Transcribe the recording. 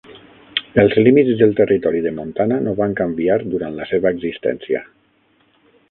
Els límits del territori de Montana no van canviar durant la seva existència.